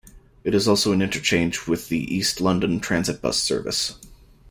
It is also an interchange with the East London Transit bus service.